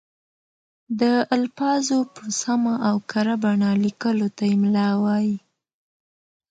د الفاظو په سمه او کره بڼه لیکلو ته املاء وايي.